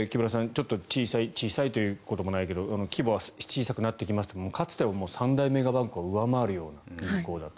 ちょっと小さい小さいということもないけど規模は小さくなってきましたがかつては三大メガバンクを上回るような銀行だと。